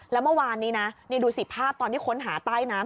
แล้วเมื่อวานนี้นะนี่ดูสิภาพตอนที่ค้นหาใต้น้ำ